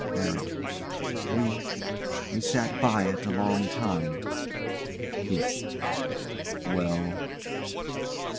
LARRY. We we sat by it a long time. KEITH. Well?